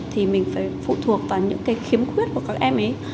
thì mình phải phụ thuộc vào những cái khiếm khuyết của các em ấy